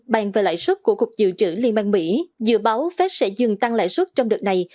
bàn về lãi suất của cục dự trữ liên bang mỹ dự báo fed sẽ dừng tăng lãi suất trong đợt này